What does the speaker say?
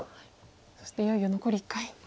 そしていよいよ残り１回。